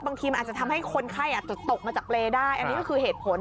บางทีมันอาจจะทำให้คนไข้อาจจะตกมาจากเปรย์ได้อันนี้ก็คือเหตุผล